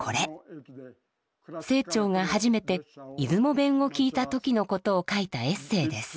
清張が初めて出雲弁を聞いた時のことを書いたエッセーです。